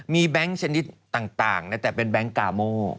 มีเบงค์ชนิดต่างนะแต่เป็นเบงค์กาโม